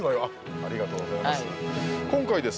ありがとうございます。